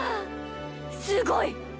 すごいっ。